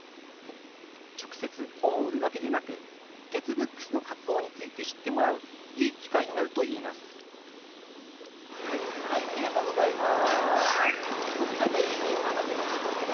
直接、本を売るだけでなく、い鉄ブックスの活動について知ってもらういい機会になるといいまありがとうございます。